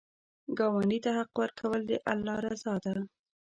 ګاونډي ته حق ورکول، د الله رضا ده